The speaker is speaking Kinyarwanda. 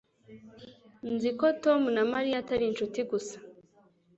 Nzi ko Tom na Mariya atari inshuti gusa